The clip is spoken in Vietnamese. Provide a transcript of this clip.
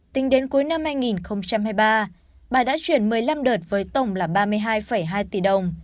tính đến cuối năm hai nghìn hai mươi ba bà đã chuyển một mươi năm đợt với tổng là ba mươi hai hai tỷ đồng